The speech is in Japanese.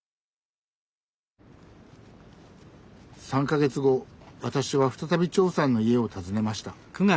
３か月後私は再び長さんの家を訪ねました。